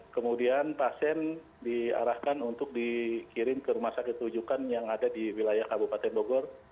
kemudian pasien diarahkan untuk dikirim ke rumah sakit rujukan yang ada di wilayah kabupaten bogor